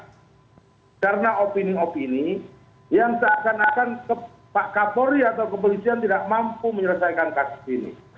karena fitnah fitnah karena opini opini yang seakan akan kapolri atau kepolisian tidak mampu menyelesaikan kasus ini